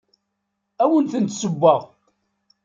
Ad awent-d-ssewweɣ.